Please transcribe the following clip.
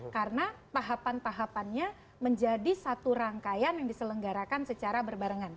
karena tahapan tahapannya menjadi satu rangkaian yang diselenggarakan secara berbarengan